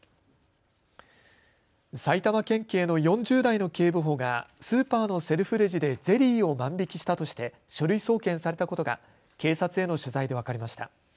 埼玉県警の４０代の警部補がスーパーのセルフレジでゼリーを万引きしたとして書類送検されたことが警察への取材で分かりました。